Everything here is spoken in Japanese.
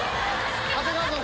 長谷川さん